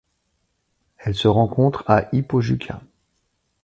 Elle se rencontre à Ipojuca.